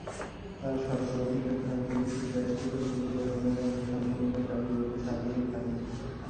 তাঁর সর্বব্যাপিনী শক্তিই আমাদের ব্যষ্টিশক্তিতে পরিণত হয়ে আমাদের সর্বপ্রকার কার্য করতে সাহায্য করে থাকে।